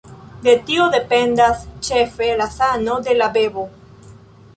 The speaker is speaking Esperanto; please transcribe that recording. De tio dependas ĉefe la sano de la bebo.